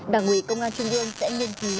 đảng ủy công an trung ương sẽ nghiên cứu